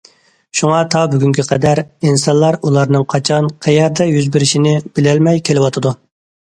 شۇڭا تا بۈگۈنگە قەدەر ئىنسانلار ئۇلارنىڭ قاچان، قەيەردە يۈز بېرىشىنى بىلەلمەي كېلىۋاتىدۇ.